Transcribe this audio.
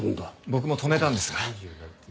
僕も止めたんですが。